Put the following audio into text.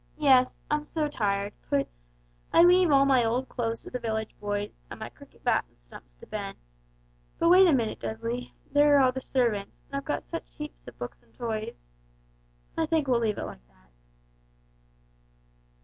"Yes, I'm so tired, put 'I leave all my old clothes to the village boys, and my cricket bat and stumps to Ben' but wait a minute, Dudley there are all the servants, and I've got such heaps of books and toys I think we'll leave it like that."